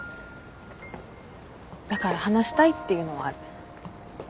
だから話したいっていうのはある。